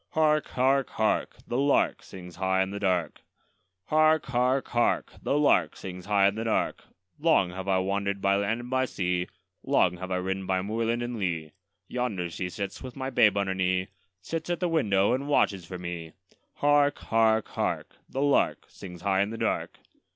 Hark! hark! hark! The lark sings high in the dark. Hark! hark! hark! The lark sings high in the dark. Long have I wander'd by land and by sea, Long have I ridden by moorland and lea; Yonder she sits with my babe on her knee, Sits at the window and watches for me! Hark! hark! hark! The lark sings high in the dark.